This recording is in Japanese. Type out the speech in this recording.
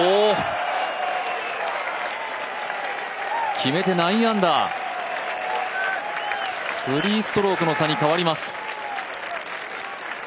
決めて９アンダー、３ストロークの差に変わります。